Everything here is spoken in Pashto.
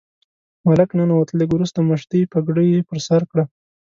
ملک ننوت، لږ وروسته مشدۍ پګړۍ یې پر سر کړه.